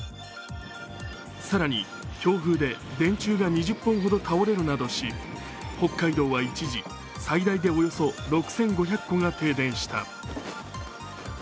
更に、強風で電柱が２０本ほど倒れるなどし北海道は一時最大でおよそ６５００戸が停電した。